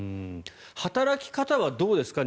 働き方はどうですか？